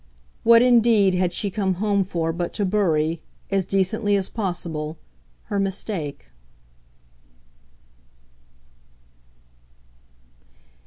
What indeed had she come home for but to bury, as decently as possible, her mistake?